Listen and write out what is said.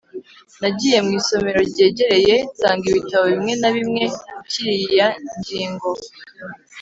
nagiye mu isomero ryegereye nsanga ibitabo bimwe na bimwe kuriyi ngingo